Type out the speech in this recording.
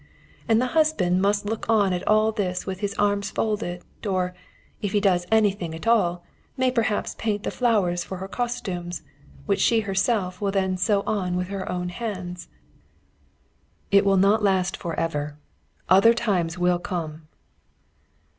And the husband must look on at all this with his arms folded, or, if he does anything at all, may perhaps paint the flowers for her costumes, which she herself will then sew on with her own hands." "It will not last for ever other times will come."